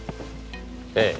ええ。